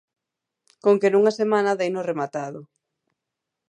Conque nunha semana deino rematado.